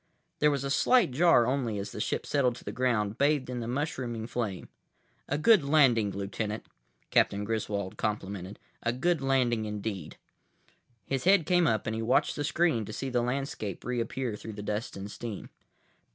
There was a slight jar only as the ship settled to the ground, bathed in the mushrooming flame. "A good landing, Lieutenant," Captain Griswold complimented. "A good landing, indeed." His head came up and he watched the screen to see the landscape reappear through the dust and steam.